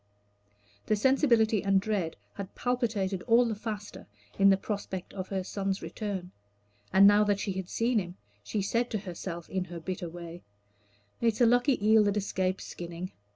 The sensibility and dread had palpitated all the faster in the prospect of her son's return; and now that she had seen him, she said to herself, in her bitter way, "It is a lucky eel that escapes skinning.